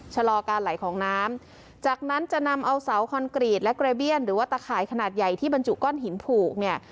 ชะลอการไหลของน้ำจากนั้นจะนำเอาเสาคอนกรีตและกระเบี้ยนหรือว่าตะข่ายขนาดใหญ่ที่บรรจุก้อนหินผูกเนี่ย